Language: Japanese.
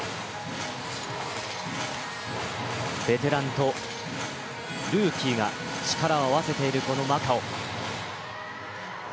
ベテランとルーキーが力を合わせている、このマカオ。